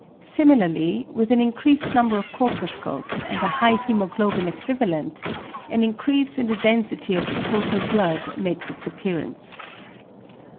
Similarly with an increased number of corpuscles, and a high hæmoglobin equivalent, an increase in the density of the total blood makes its appearance.